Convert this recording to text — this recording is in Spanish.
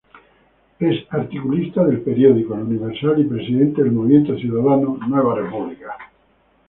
Es articulista del Periódico, El Universal y Presidente del Movimiento Ciudadano Nueva República.